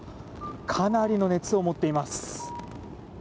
かなりの熱を持っています。